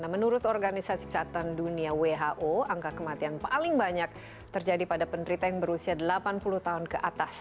menurut organisasi kesehatan dunia who angka kematian paling banyak terjadi pada penderita yang berusia delapan puluh tahun ke atas